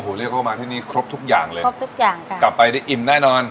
เรียกว่ามาที่นี่ครบทุกอย่างเลยครบทุกอย่างค่ะกลับไปได้อิ่มแน่นอน